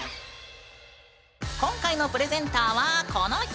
今回のプレゼンターはこの人！